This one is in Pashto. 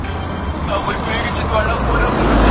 دسترخوان د هغې په واسطه شنه چمن ته د ډوډۍ لپاره وایستل شو.